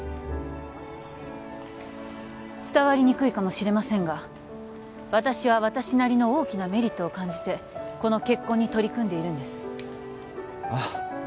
伝わりにくいかもしれませんが私は私なりの大きなメリットを感じてこの結婚に取り組んでいるんですあっ